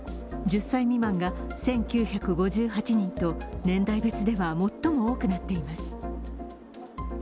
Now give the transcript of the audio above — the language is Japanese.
１０歳未満が１９５８人と年代別では最も多くなっています。